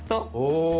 お！